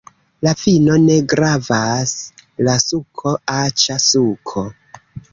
La vino ne gravas! la suko! aĉa suko!